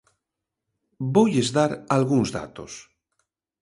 Voulles dar algúns datos.